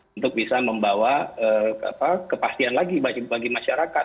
untuk bisa membawa kepastian lagi bagi masyarakat